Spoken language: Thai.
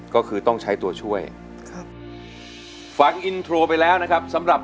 ก็คือต้องใช้ตัวช่วยครับฟังอินโทรไปแล้วนะครับสำหรับ